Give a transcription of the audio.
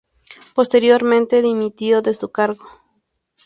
Posteriormente dimitió de su cargo.